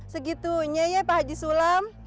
segitunya ya pak haji sulam